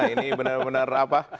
ini benar benar apa